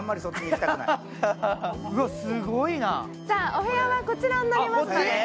お部屋はこちらになりますので。